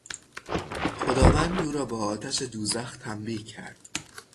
خداوند او را با آتش دوزخ تنبیه کرد.